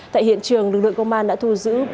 tại hiện trường lực lượng công an đã thu giữ